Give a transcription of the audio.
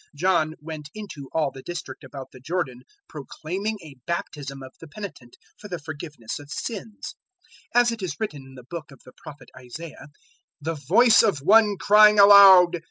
003:003 John went into all the district about the Jordan proclaiming a baptism of the penitent for the forgiveness of sins; 003:004 as it is written in the book of the prophet Isaiah, "The voice of one crying aloud!